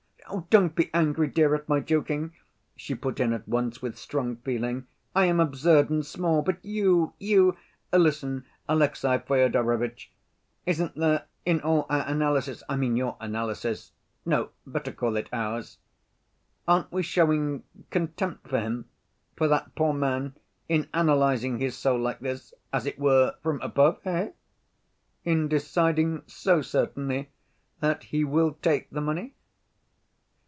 Don't be angry, dear, at my joking," she put in at once, with strong feeling. "I am absurd and small, but you, you! Listen, Alexey Fyodorovitch. Isn't there in all our analysis—I mean your analysis ... no, better call it ours—aren't we showing contempt for him, for that poor man—in analyzing his soul like this, as it were, from above, eh? In deciding so certainly that he will take the money?"